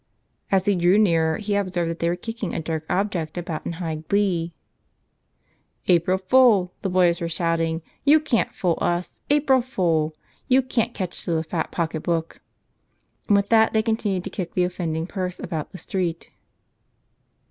As he drew nearer he observed that they were kicking a dark object about in high glee. "April fool!" the boys were shouting. "You can't fool us! April fool! You can't catch us with a fat pocketbook!" And with that they continued to kick the offending purse about the street.